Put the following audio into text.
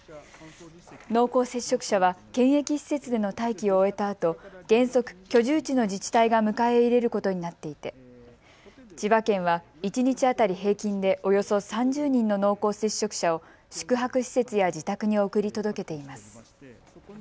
濃厚接触者は検疫施設での待機を終えたあと原則、居住地の自治体が迎え入れることになっていて千葉県は一日当たり平均でおよそ３０人の濃厚接触者を宿泊施設や自宅に送り届けています。